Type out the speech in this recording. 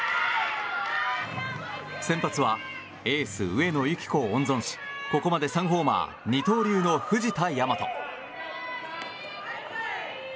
先発はエース上野由岐子を温存しここまで３ホーマー、二刀流の藤田倭。